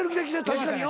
確かに。